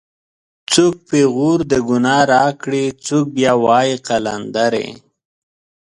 څوک پېغور د گناه راکړي څوک بیا وایي قلندرې